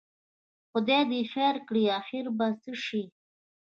خدای دې خیر کړي، اخر به څه شي؟